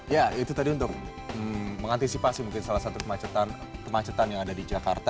ya itu tadi untuk mengantisipasi mungkin salah satu kemacetan yang ada di jakarta